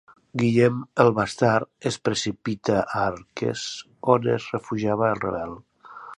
Guillem el Bastard es precipita a Arques on es refugiava el rebel.